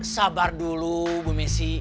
sabar dulu bu messi